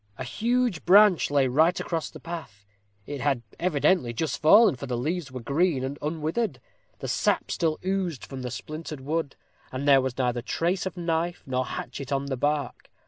a huge branch lay right across the path. It had evidently just fallen, for the leaves were green and unwithered; the sap still oozed from the splintered wood; and there was neither trace of knife nor hatchet on the bark.